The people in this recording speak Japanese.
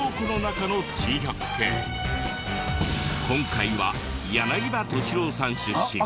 今回は柳葉敏郎さん出身